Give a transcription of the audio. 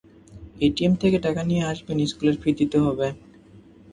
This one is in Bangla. এটিএম থেকে টাকা নিয়ে আসবেন স্কুলের ফি দিতে হবে।